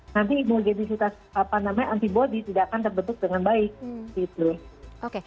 nanti imogenisitas antibody tidak akan terbentuk dengan baik